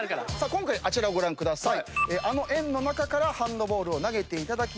今回あちらをご覧ください。